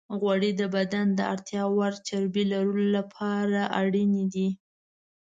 غوړې د بدن د اړتیا وړ چربی لرلو لپاره اړینې دي.